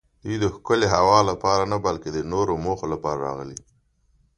دوی د ښکلې هوا لپاره نه بلکې د نورو موخو لپاره راغلي.